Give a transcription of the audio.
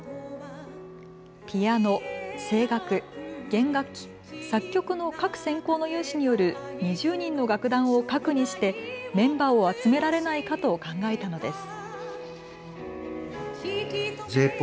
ピアノ、声楽、弦楽器、作曲の各専攻の有志による２０人の楽団を核にしてメンバーを集められないかと考えたのです。